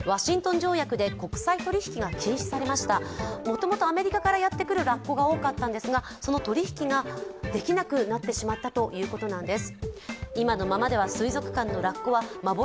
もともとアメリカからやってくるラッコだったんですがその取り引きができなくなってしまったということなんです。